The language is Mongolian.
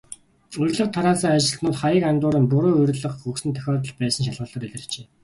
Урилга тараасан ажилтнууд хаяг андууран, буруу урилга өгсөн тохиолдол байсан нь шалгалтаар илэрчээ.